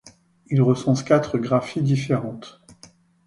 Il recense quatre graphies différentes.